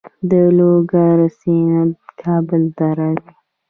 د لوګر سیند کابل ته راځي